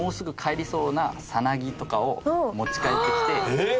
えっ！